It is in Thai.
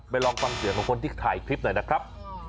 ลองฟังเสียงของคนที่ถ่ายคลิปหน่อยนะครับ